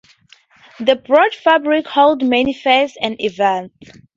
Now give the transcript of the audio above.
De Broodfabriek holds many fairs and events.